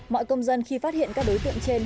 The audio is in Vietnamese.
mọi công dân khi phát hiện các đối tượng trên